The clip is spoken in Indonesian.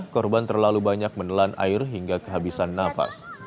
korban terlalu banyak menelan air hingga kehabisan nafas